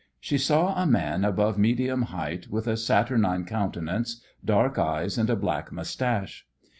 She saw a man above medium height with a saturnine countenance, dark eyes and a black moustache.